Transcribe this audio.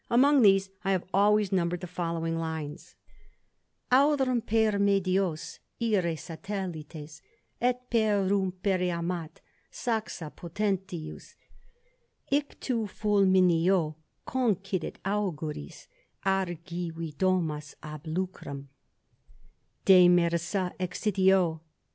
; these I have always numbered the following lines :Aurumper niedios ire satellites , Et perrumpere amat saxa, potentius Ictu fulmineo, Concidit Auguris Argivi domus ob lucrum Demersa excidio.